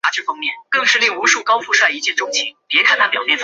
投资的企业一般具有很好的盈利能力和上市规模。